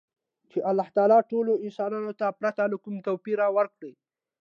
چـې اللـه تعـالا ټـولـو انسـانـانـو تـه ،پـرتـه لـه کـوم تـوپـيره ورکـړى.